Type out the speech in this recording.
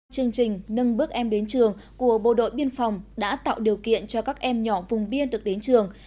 chương trình nâng bước em đến trường của bộ đội biên phòng đã tạo điều kiện cho các em nhỏ vùng biên được đến trường